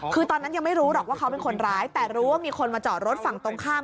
คือตอนนั้นยังไม่รู้หรอกว่าเขาเป็นคนร้ายแต่รู้ว่ามีคนมาจอดรถฝั่งตรงข้าม